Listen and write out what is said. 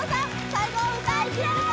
最後は歌いきれるか？